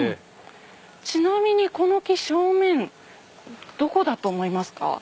ちなみにこの木正面どこだと思いますか？